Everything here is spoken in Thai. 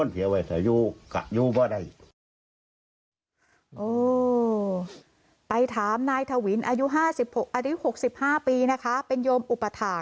ไปถามนายทวินอายุ๖๕ปีนะคะเป็นโยมอุปถาค